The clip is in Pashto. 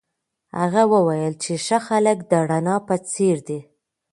هغه وویل چي ښه خلک د رڼا په څېر دي.